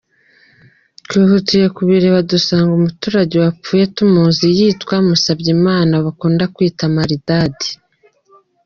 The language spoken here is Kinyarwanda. Twihutiye kubireba dusanga umuturage wapfuye tumuzi, yitwa Musabyimana bakunda kwita Maridadi.